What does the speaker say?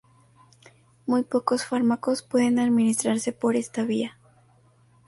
Muy pocos fármacos pueden administrarse por esta vía.